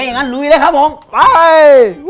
โอเคงั้นลุยเลยครับผมไป